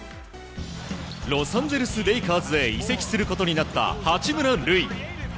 ロサンゼルス・レイカーズに移籍することになった八村塁。